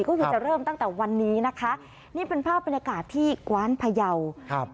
ก็คือจะเริ่มตั้งแต่วันนี้นะคะนี่เป็นภาพบรรยากาศที่กว้านพยาวครับ